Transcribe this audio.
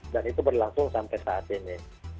dan itu berlaku sampai saat ini